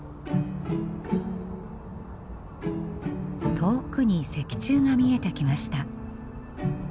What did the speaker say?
遠くに石柱が見えてきました。